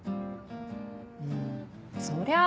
うんそりゃあ